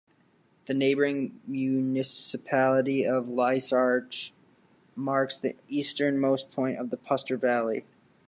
The neighbouring municipality of Leisach marks the easternmost point of the Puster Valley.